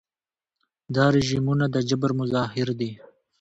دا رژیمونه د جبر مظاهر دي.